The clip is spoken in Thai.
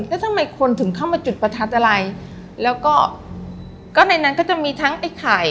แล้วทำไมคนถึงเข้ามาจุดประทัดอะไรแล้วก็ก็ในนั้นก็จะมีทั้งไอ้ไข่